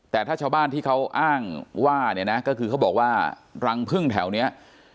แต่ถ้าชาวบ้านที่เขาอ้างว่าเนี่ยนะก็คือเขาบอกว่ารังพึ่งแถวนี้